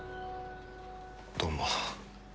どうも。